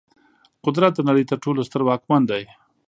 قدرت د نړۍ تر ټولو ستر واکمن دی.